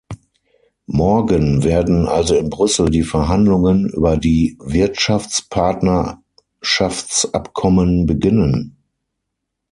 Morgen werden also in Brüssel die Verhandlungen über die Wirtschaftspartnerschaftsabkommen beginnen.